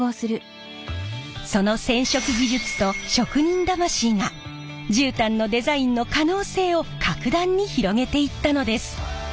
その染色技術と職人魂が絨毯のデザインの可能性を格段に広げていったのです。